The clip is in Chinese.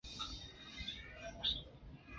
他与祖父一起葬于圣若望及保禄堂中。